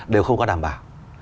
đều không có đảm bảo